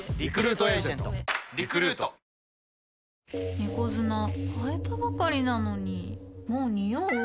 猫砂替えたばかりなのにもうニオう？